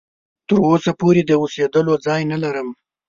تر اوسه پوري د اوسېدلو ځای نه لرم.